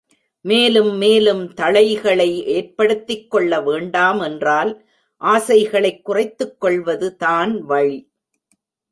மேலும் மேலும் தளைகளை ஏற்படுத்திக் கொள்ள வேண்டாம் என்றால் ஆசைகளைக் குறைத்துக்கொள்வது தான் வழி.